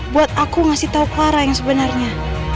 buat aku ngasih tau clara yang sebenarnya